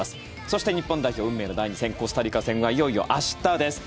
そして日本代表、運命の第２戦コスタリカ戦はいよいよ明日です。